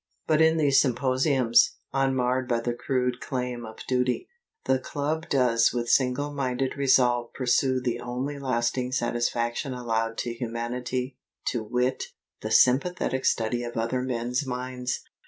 But in these symposiums, unmarred by the crude claim of duty, the Club does with single minded resolve pursue the only lasting satisfaction allowed to humanity, to wit, the sympathetic study of other men's minds.